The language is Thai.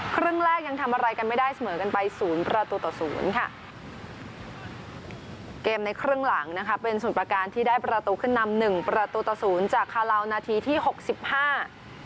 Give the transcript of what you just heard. ครึ่งแรกยังทำอะไรกันไม่ได้เสมอกันไปศูนย์ประตูต่อศูนย์ค่ะเกมในครึ่งหลังนะคะเป็นสมุทรประการที่ได้ประตูขึ้นนำหนึ่งประตูต่อศูนย์จากคาลาวนาทีที่หกสิบห้า